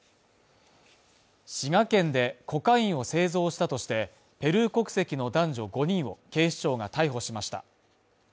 滋賀県でコカインを製造したとして、ペルー国籍の男女５人を、警視庁が逮捕しました。